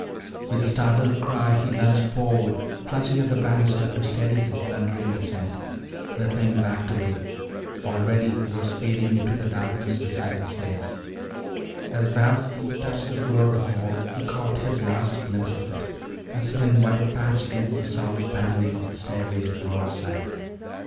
With a startled cry he lunged forward, clutching at the banister to steady his blundering descent. The thing backed away; already it was fading into the darkness beside the stairs. As Val's feet touched the floor of the hall he caught his last glimpse of it, a thin white patch against the solid paneling of the stairway's broad side.